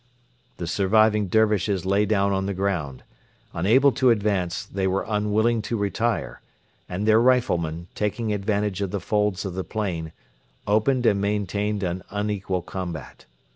The surviving Dervishes lay down on the ground. Unable to advance, they were unwilling to retire; and their riflemen, taking advantage of the folds of the plain, opened and maintained an unequal combat.